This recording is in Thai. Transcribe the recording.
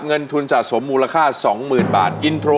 งเงินทุนสะสมมูลค่า๒๐๐๐๐บาท